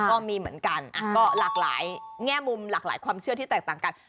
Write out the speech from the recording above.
ก็มีเหมือนกันก็หลากหลายแง่มุมหลากหลายความเชื่อที่แตกต่างกัน